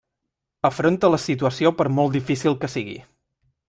Afronta la situació per molt difícil que sigui.